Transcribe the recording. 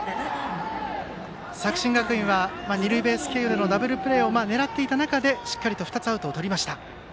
作新学院は二塁ベース経由でのダブルプレーを狙っていた中でしっかりと２つアウトをとりました。